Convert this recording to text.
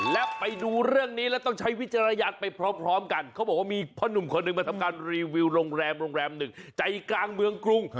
และไปดูเรื่องนี้แล้วต้องใช้วิจารณญาณไปพร้อมกันเขาบอกว่ามีพ่อหนุ่มคนหนึ่งมาทำการรีวิวโรงแรมโรงแรมหนึ่งใจกลางเมืองกรุง